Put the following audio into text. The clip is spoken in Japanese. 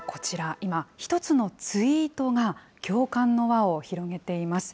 今、１つのツイートが共感の輪を広げています。